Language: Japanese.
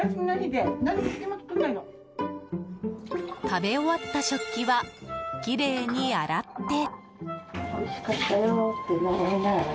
食べ終わった食器はきれいに洗って。